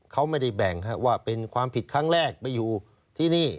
เขาไม่ได้แบ่งว่าเป็นความผิดครั้งแรกไปอยู่ที่นี่